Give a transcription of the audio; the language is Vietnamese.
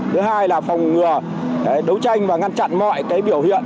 thứ hai là phòng ngừa đấu tranh và ngăn chặn mọi biểu hiện